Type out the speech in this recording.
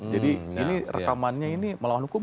jadi ini rekamannya ini melawan hukum